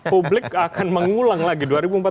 publik akan mengulang lagi